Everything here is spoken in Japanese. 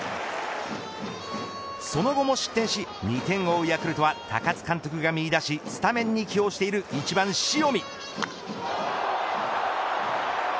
その後も失点し２点を追うヤクルトは高津監督が見いだしスタメンに起用している１番塩見。